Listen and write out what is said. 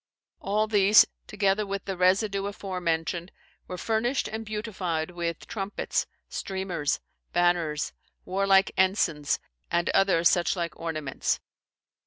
All these, together with the residue aforenamed, were furnished and beautified with trumpets, streamers, banners, warlike ensignes, and other such like ornaments.